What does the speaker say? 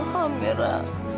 masya allah amira